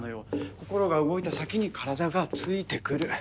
心が動いた先に体がついてくる。